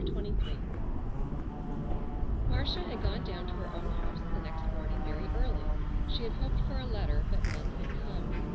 CHAPTER XXIII Marcia had gone down to her own house the next morning very early. She had hoped for a letter but none had come.